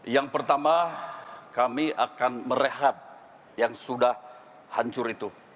yang pertama kami akan merehab yang sudah hancur itu